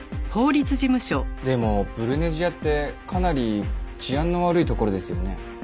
でもブルネジアってかなり治安の悪い所ですよね？